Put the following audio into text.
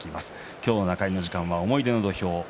今日の中入りの時間は「思い出の土俵」